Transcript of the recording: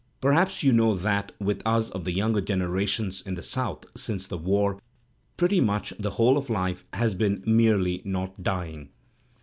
Perhaps you know that, with us of the younger generation in the South since the war, pretty much the whole of life has been merely not dying."